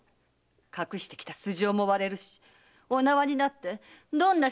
隠してきた素性も割れるしお縄になってどんな仕打ちを。